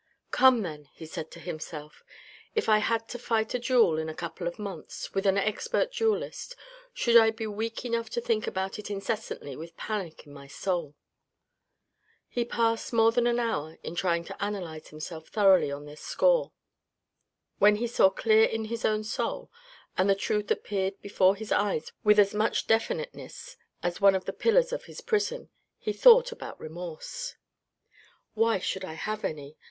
"Come then," he said to himself; " if I had to fight a duel in a couple of months, with an expert duellist, should I be weak enough to think about it incessantly with panic in my soul ?" He passed more than an hour in trying to analyze himself thoroughly on this score. When he saw clear in his own soul, and the truth appeared before his eyes with as much definiteness as one of the pillars of his prison, he thought about remorse. " Why should I have any